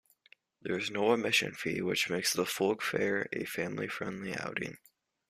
There is no admission fee which makes the Folk Fair a family friendly outing.